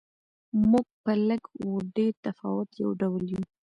موږ په لږ و ډېر تفاوت یو ډول یو.